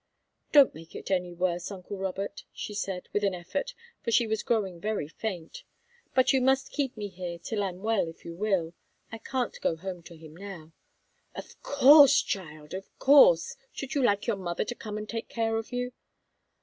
"Don't make it any worse, uncle Robert," she said, with an effort, for she was growing very faint. "But you must keep me here till I'm well, if you will. I can't go home to him now." "Of course, child of course! Should you like your mother to come and take care of you?"